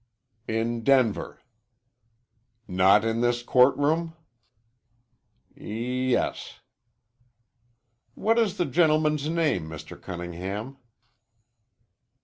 "In Denver." "Not in this court room?" "Yes." "What is the gentleman's name, Mr. Cunningham?"